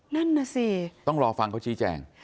นั่นน่ะสิต้องรอฟังเขาชี้แจง